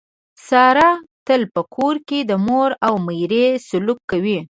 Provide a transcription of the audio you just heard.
ساره تل په کور کې د مور او میرې سلوک کوي.